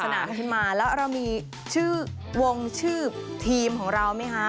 นาขึ้นมาแล้วเรามีชื่อวงชื่อทีมของเราไหมคะ